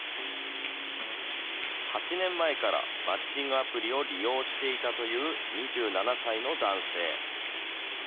８年前からマッチングアプリを利用していたという２７歳の男性。